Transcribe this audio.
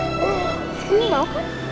aura sini mau